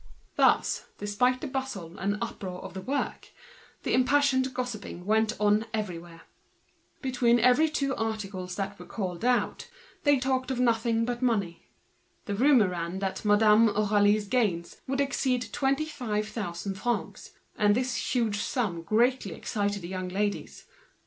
Thus, notwithstanding the bustle and uproar of the work, the impassioned gossiping went on everywhere. Between two articles called out, they talked of nothing but money. The rumor ran that Madame Aurélie would exceed twenty five thousand francs; and this immense sum greatly excited the young ladies.